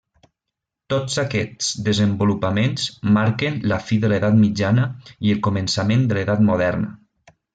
Tots aquests desenvolupaments marquen la fi de l'edat mitjana i el començament de l'edat moderna.